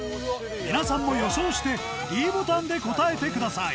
皆さんも予想してｄボタンで答えてください